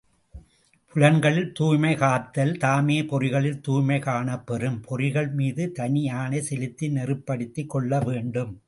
புலன்களில் தூய்மை காத்தால், தாமே பொறிகளில் தூய்மை காணப்பெறும், பொறிகள் மீது தனி ஆணை செலுத்தி நெறிப்படுத்திக் கொள்ளவேண்டும்.